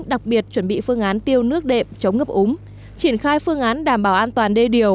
đặc biệt chuẩn bị phương án tiêu nước đệm chống ngập úng triển khai phương án đảm bảo an toàn đê điều